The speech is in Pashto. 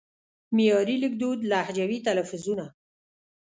معیاري لیکدود لهجوي تلفظونه